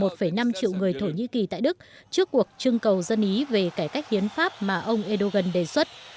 một năm triệu người thổ nhĩ kỳ tại đức trước cuộc trưng cầu dân ý về cải cách hiến pháp mà ông erdogan đề xuất